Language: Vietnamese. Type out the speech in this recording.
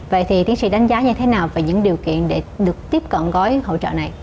vậy thì tiến sĩ đánh giá như thế nào về những điều kiện để được tiếp cận gói hỗ trợ này